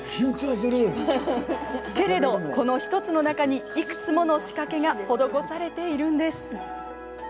けれど、この１つの中にいくつもの仕掛けが施されているんです。